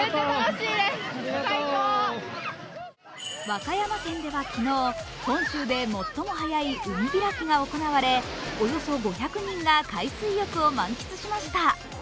和歌山県では昨日、本州で最も早い海開きが行われおよそ５００人が海水浴を満喫しました。